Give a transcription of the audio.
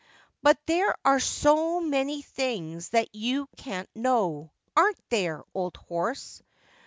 But there are so many things that you can't know, aren't there, old horse